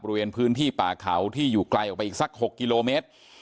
บริเวณพื้นที่ป่าเขาที่อยู่ไกลออกไปอีกสัก๖กิโลเมตร